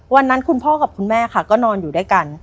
คุณพ่อกับคุณแม่ค่ะก็นอนอยู่ด้วยกัน